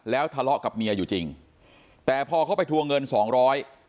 แล้วทะเลาะกับเมียอยู่จริงแต่พอเขาไปทวงเงินสองร้อย